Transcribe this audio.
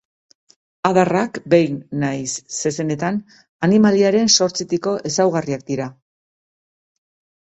Adarrak, behi nahiz zezenetan, animaliaren sortzetiko ezaugarriak dira.